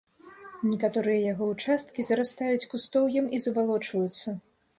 Некаторыя яго ўчасткі зарастаюць кустоўем і забалочваюцца.